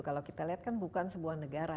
kalau kita lihat kan bukan sebuah negara